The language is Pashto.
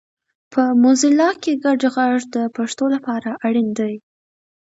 په موزیلا کې ګډ غږ د پښتو لپاره اړین دی